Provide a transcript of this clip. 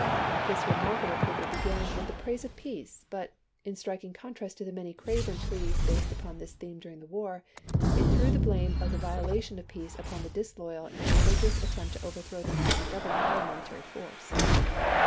This remarkable paper began with the praise of peace, but, in strik ing contrast to the many craven pleas based upon this theme during the war, it threw the blame of the violation of peace upon the disloyal and traitor ous attempt to overthrow the National Government by military force.